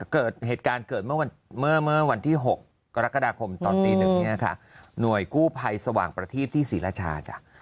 เกิดเหตุการณ์เกิดเมื่อวันที่๖กรกฎาคมตอนตีหนึ่งเนี่ยค่ะหน่วยกู้ภัยสว่างประทีปที่ศรีราชาจ้ะ